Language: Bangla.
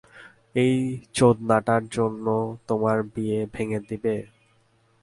ঐ চোদনাটার জন্য তোমার বিয়ে ভেঙে দিবে?